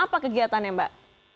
apa kegiatannya mbak